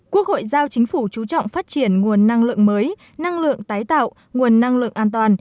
quốc hội giao chính phủ chú trọng phát triển nguồn năng lượng mới năng lượng tái tạo nguồn năng lượng an toàn